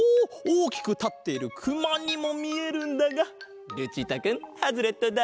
おおきくたっているくまにもみえるんだがルチータくんハズレットだ！